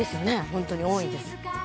ホントに多いんです」